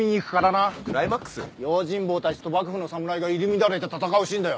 用心棒たちと幕府の侍が入り乱れて戦うシーンだよ。